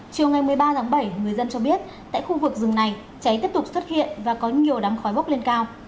trong lúc đám cháy người dân cho biết tại khu vực rừng này cháy tiếp tục xuất hiện và có nhiều đám khói bốc lên cao